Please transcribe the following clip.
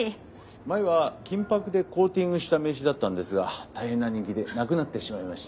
前は金箔でコーティングした名刺だったんですが大変な人気でなくなってしまいまして。